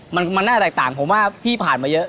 มันน่าแตกต่างผมว่าพี่ผ่านมาเยอะ